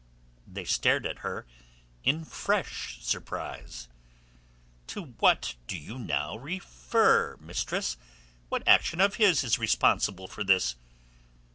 They stared at her in fresh surprise. "To what do you refer now, mistress? What action of his is responsible for this?"